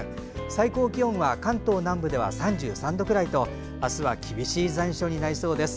最高気温は関東南部では３３度くらいと明日は厳しい残暑となりそうです。